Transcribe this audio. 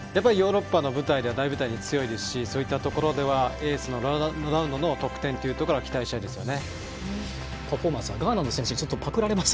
ヨーロッパの大舞台に強いですしそういったところではエースのロナウドの得点を期待したいですよね。